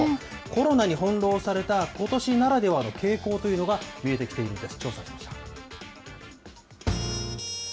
コロナに翻弄されたことしならではの傾向というのが見えてきているんです。